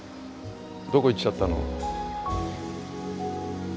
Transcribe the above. どこ行っちゃったの？